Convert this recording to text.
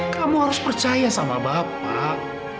kamu harus percaya sama bapak